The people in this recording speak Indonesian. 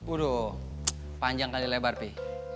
udah panjang kali lebar pi